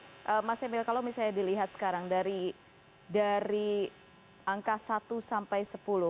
oke mas emil kalau misalnya dilihat sekarang dari angka satu sampai sepuluh